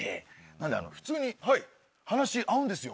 なので普通に話合うんですよ。